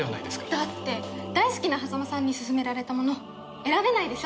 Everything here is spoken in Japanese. だって大好きな波佐間さんに勧められたもの選べないでしょ？